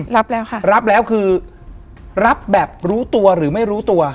รับแล้วค่ะรับแล้วคือรับแบบรู้ตัวหรือไม่รู้ตัว